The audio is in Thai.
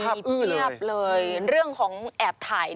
มีเพียบเลยเรื่องของแอบถ่าย